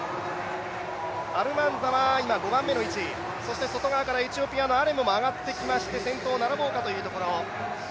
アルマンザは今５番目の位置、そして外側からエチオピアのアレムもあがってきまして先頭に並ぼうかというところ。